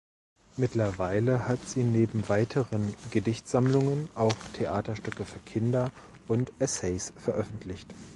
Mittlerweile hat sie neben weiteren Gedichtsammlungen auch Theaterstücke für Kinder und Essays veröffentlicht.